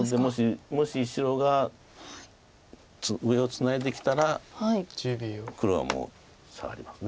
もし白が上をツナいできたら黒はもうサガります。